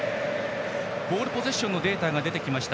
ボールポゼッションのデータが出ました。